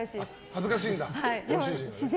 恥ずかしいんだ、ご主人。